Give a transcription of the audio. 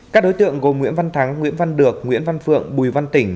các đối tượng gồm nguyễn văn thắng nguyễn văn được nguyễn văn phượng bùi văn tỉnh